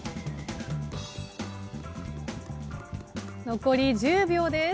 残り１０秒です。